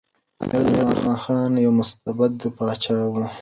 امیر عبدالرحمن خان یو مستبد پاچا و.